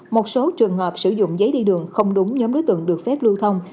một số trường hợp sử dụng giấy đi đường không đúng nhóm đối tượng được phép lưu thông